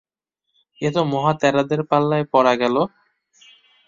এ তো মহা ত্যাঁদড়ের পাল্লায় পড়া গেল!